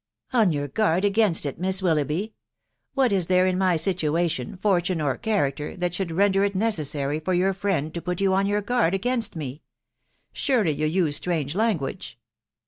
." On your guard against it, Miss Willoughby ! What k there in my situation, fortune, or character, that should len der it necessary for your friend to put you on your guard against me ?.... Surely you use strange language."